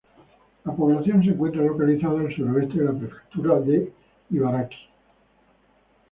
La población se encuentra localizada al suroeste de la Prefectura de Ibaraki.